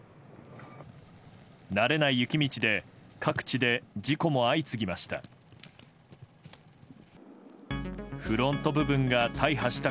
慣れない雪道で各地で事故も相次ぎました。